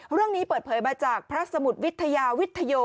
เรื่องนี้เปิดเผยมาจากพระสมุทรวิทยาวิทโย